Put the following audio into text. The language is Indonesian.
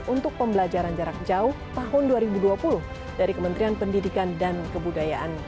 untuk pembelajaran jarak jauh tahun dua ribu dua puluh dari kementerian pendidikan dan kebudayaan